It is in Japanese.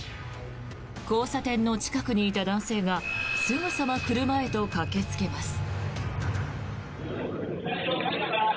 交差点の近くにいた男性がすぐさま車へと駆けつけます。